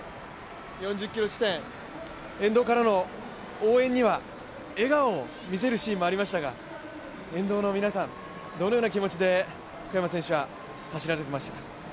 ４０ｋｍ地点、沿道からの応援には笑顔を見せるシーンもありましたが、沿道の皆さんは小山選手は走られていましたか？